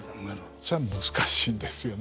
それが難しいんですよね。